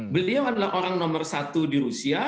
beliau adalah orang nomor satu di rusia